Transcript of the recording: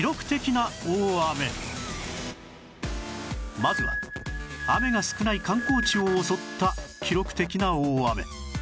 まずは雨が少ない観光地を襲った記録的な大雨